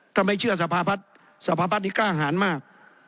ถ้าไม่เชื่อสภาพัฒน์สภาพัฒน์นี้กล้าหารมาก